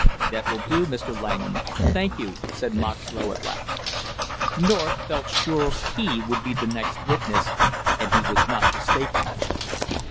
"That will do, Mr. Langham. Thank you," said Moxlow at last. North felt sure he would be the next witness, and he was not mistaken.